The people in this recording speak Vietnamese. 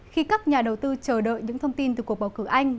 khi các nhà đầu tư chờ đợi những thông tin từ cuộc bầu cử anh